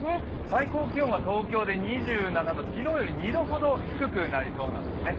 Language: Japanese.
最高気温は東京で２７度昨日より２度ほど低くなりそうなんですね。